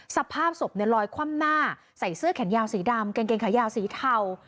สภาพศพลอยคว่ำหน้าใส่เสื้อแขนยาวสีดำกางเกงขายาวสีเทา